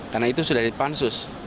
karena itu sudah di pansus